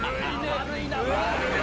悪いな。